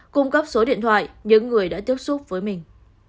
cung cấp số điện thoại những người đã tiếp xúc với mình